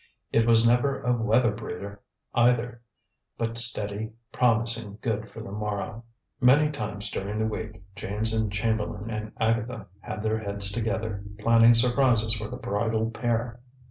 It was never a "weather breeder" either; but steady, promising good for the morrow. Many times during the week James and Chamberlain and Agatha had their heads together, planning surprises for the bridal pair.